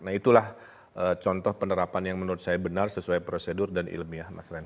nah itulah contoh penerapan yang menurut saya benar sesuai prosedur dan ilmiah